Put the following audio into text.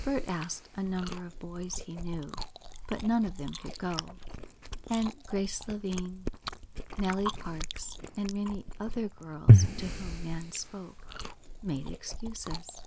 Bert asked a number of boys he knew, but none of them could go, and Grace Lavine, Nellie Parks, and many other girls to whom Nan spoke, made excuses.